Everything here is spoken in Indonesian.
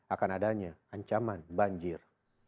akan adanya ancaman banjir